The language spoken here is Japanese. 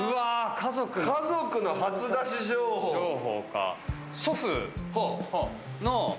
家族の初出し情報。